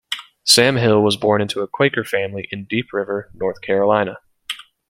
Sam Hill was born into a Quaker family in Deep River, North Carolina.